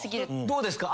どうですか？